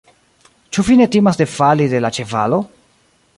Ĉu vi ne timas defali de la ĉevalo?